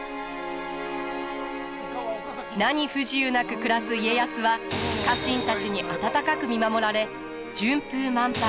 何不自由なく暮らす家康は家臣たちに温かく見守られ順風満帆